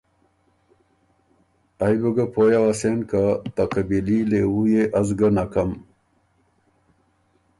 ائ بُو ګۀ پویٛ اوَسېن که ته قبیلي لېوُو يې از ګه نکم،